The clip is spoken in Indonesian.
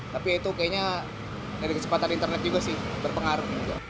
tapi itu kayaknya dari kecepatan internet juga sih berpengaruh